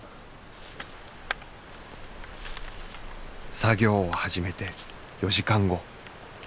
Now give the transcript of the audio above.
作業を始めて４時間後。